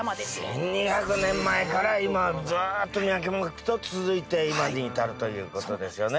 １２００年前から今ずーっと脈々と続いて今に至るという事ですよね。